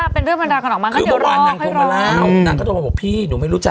เป็นเพื่อนคนออกมาค่ะเดี๋ยวรอค่ะ